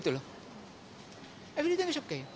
semuanya baik baik saja